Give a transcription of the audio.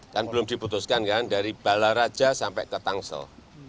kan belum diputuskan kan dari balaraja sampai ke tangsel